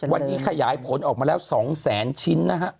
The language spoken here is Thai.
วันนี้ขยายผลออกมาแล้ว๒แสนชิ้นนะฮะ